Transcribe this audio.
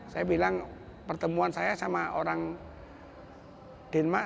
saya bilang pertemuan saya sama orang denmark